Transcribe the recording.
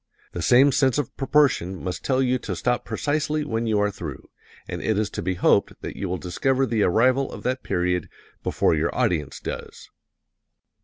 The same sense of proportion must tell you to stop precisely when you are through and it is to be hoped that you will discover the arrival of that period before your audience does.